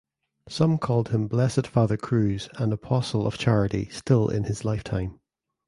Some called him "Blessed Father Cruz" and "Apostle of Charity" still in his lifetime.